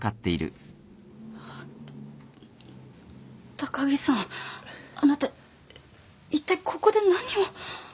高木さんあなたいったいここで何を？